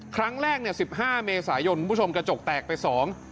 ครั้งแรกเนี่ยสิบห้าเมษายนคุณผู้ชมกระจกแตกไปสอง